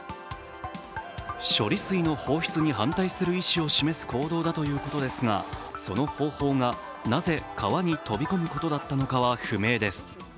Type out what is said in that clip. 処理水の放出に反対する意思を示す行動だということですが、その方法がなぜ川に飛び込むことだったのかは不明です。